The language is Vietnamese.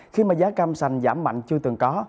khi mà giá cam sành giảm mạnh chưa từng có